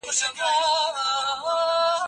هر څوک حق لري چي معلومات ترلاسه کړي.